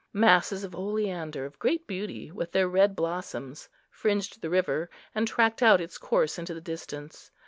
Masses of oleander, of great beauty, with their red blossoms, fringed the river, and tracked out its course into the distance.